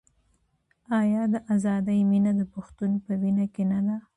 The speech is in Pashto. آیا د ازادۍ مینه د پښتون په وینه کې نه ده؟